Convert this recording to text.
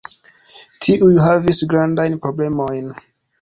Tiuj havis grandajn problemojn.